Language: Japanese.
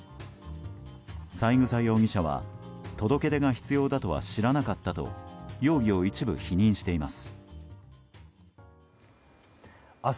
三枝容疑者は届け出が必要だとは知らなかったと容疑を一部否認しています。